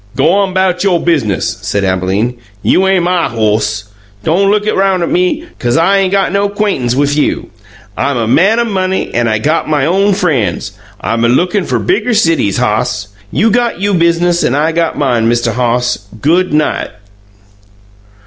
"G'on 'bout you biz'nis," said Abalene; "you ain' MY hoss. Don' look roun'at me, 'cause I ain't got no 'quaintance wif you. I'm a man o' money, an' I got my own frien's; I'm a lookin' fer bigger cities, hoss. You got you biz'nis an' I got mine. Mista' Hoss, good night!"